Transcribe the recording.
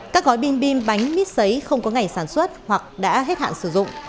các gói bim bim bánh mít xấy không có ngày sản xuất hoặc đã hết hạn sử dụng